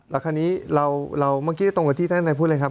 แล้วคราวนี้เราเมื่อกี้ตรงกับที่ท่านได้พูดเลยครับ